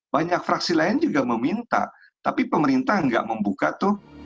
banyak fraksi lain juga meminta tapi pemerintah nggak membuka tuh